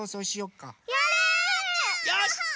よし！